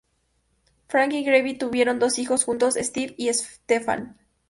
Frank y Geri tuvieron dos hijos juntos, Steven y Stephanie.